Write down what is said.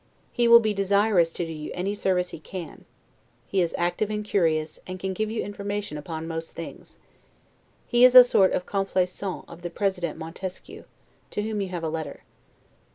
He will be desirous to do you any service he can; he is active and curious, and can give you information upon most things. He is a sort of 'complaisant' of the President Montesquieu, to whom you have a letter.